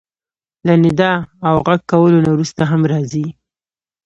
له ندا او غږ کولو نه وروسته هم راځي.